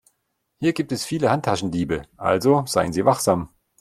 Hier gibt es viele Handtaschendiebe, also seien Sie wachsam.